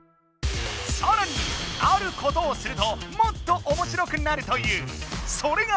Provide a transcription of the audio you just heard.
さらにあることをするともっとおもしろくなるというそれが！